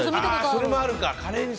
それもあるか。